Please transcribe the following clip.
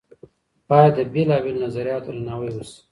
بايد د بېلابېلو نظرياتو درناوی وسي.